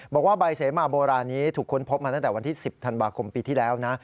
บอกว่าใบเสมาโบราณนี้ถูกค้นพบมาตั้งแต่วันที่๑๐ธันวาคมปีที่แล้วนะ